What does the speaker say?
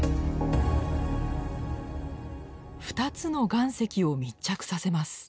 ２つの岩石を密着させます。